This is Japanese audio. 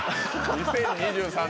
２０２３。